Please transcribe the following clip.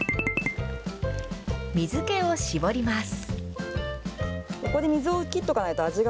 水けを絞ります。